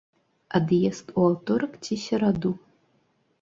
Ад'езд у аўторак ці сераду.